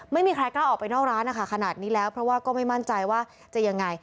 ไม่มีใครกล้าออกไปนอกร้านนะคะขนาดนี้แล้วเพราะว่าก็ไม่มั่นใจว่าจะยังไง